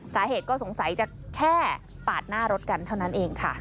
สาเหตุก็สงสัยจะแค่ปาดหน้ารถกันเท่านั้นเองค่ะ